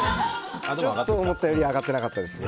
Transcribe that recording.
ちょっと思ったより上がってなかったですね。